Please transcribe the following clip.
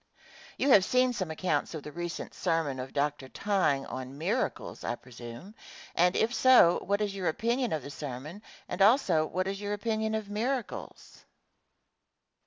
You have seen some accounts of the recent sermon of Dr. Tyng on "Miracles," I presume, and if so, what is your opinion of the sermon, and also what is your opinion of miracles?